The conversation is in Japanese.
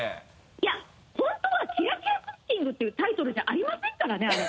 いや本当は「キラキラクッキング」ていうタイトルじゃありませんからねあれ。